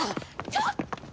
ちょっと！